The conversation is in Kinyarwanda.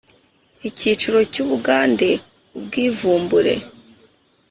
Icyiciro cya ubugande ubwivumbure